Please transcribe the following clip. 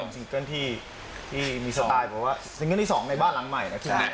ซิงเกิ้ลที่มีสไตล์เพราะว่าซิงเกิ้ลที่๒ในบ้านหลังใหม่นะครับ